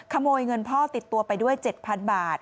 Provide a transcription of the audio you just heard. ขโมยเงินพ่อติดตัวไปด้วย๗๐๐บาท